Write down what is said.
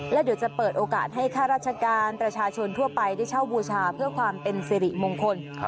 และเดี๋ยวจะเปิดโอกาสให้ข้าราชการประชาชนทั่วไปได้เช่าบูชาเพื่อความเป็นสิริมงคล